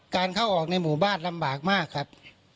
การเข้าออกในหมู่บ้านลำบากมากครับ